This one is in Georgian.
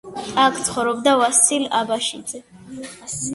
აქ ცხოვრობდა ვასილ აბაშიძე.